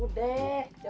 udah jangan lama lama